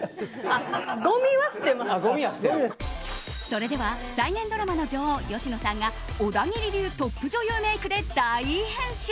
それでは、再現ドラマの女王芳野さんが小田切流トップ女優メイクで大変身。